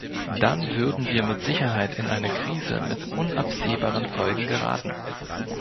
Dann würden wir mit Sicherheit in eine Krise mit unabsehbaren Folgen geraten.